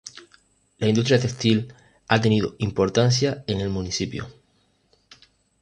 La industria textil ha tenido importancia en el municipio.